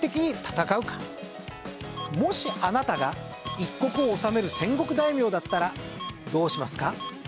もしあなたが一国を治める戦国大名だったらどうしますか？